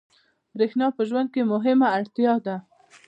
برېښنا په ژوند کې مهمه اړتیا ده.